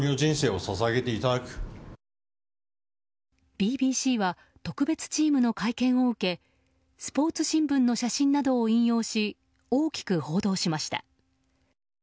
ＢＢＣは特別チームの会見を受けスポーツ新聞の写真などを引用し大きく報道しました。